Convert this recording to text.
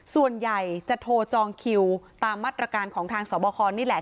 ส่วนใหญ่จะโทรจองคิวตามมาตรการของทางสวบคนี่แหละ